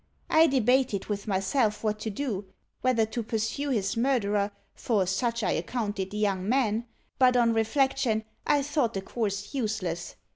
I debated with myself what to do whether to pursue his murderer, for such I accounted the young man; but, on reflection, I thought the course useless.